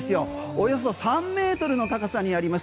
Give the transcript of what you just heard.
およそ３ｍの高さにあります